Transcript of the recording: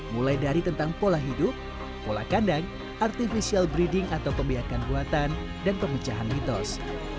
mulai dari tentang pola hidup pola kandang artificial breeding atau pembiakan buatan dan pemecahan mitos